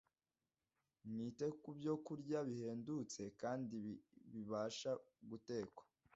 Mwite ku byokurya bihendutse kandi bibasha gutekwa